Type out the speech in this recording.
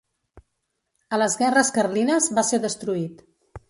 A les guerres carlines va ser destruït.